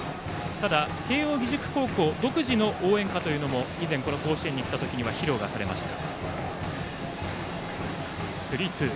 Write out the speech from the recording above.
ただ、慶応義塾高校独自の応援歌というのも以前甲子園に来た時に披露されました。